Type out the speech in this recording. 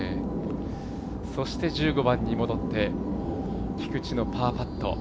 そして、１５番に戻って菊地のパーパット。